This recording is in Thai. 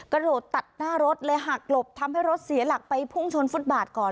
กระโดดตัดหน้ารถเลยหักหลบทำให้รถเสียหลักไปพุ่งชนฟุตบาทก่อน